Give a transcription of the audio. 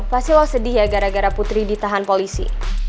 pasti lo sedih ya gara gara putri ditahan polisi